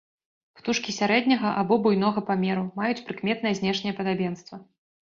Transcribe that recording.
Птушкі сярэдняга або буйнога памеру, маюць прыкметнае знешняе падабенства.